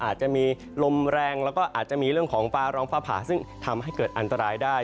อาจจะมีลมแรงแล้วก็อาจจะมีเรื่องของฟ้าร้องฟ้าผ่าซึ่งทำให้เกิดอันตรายได้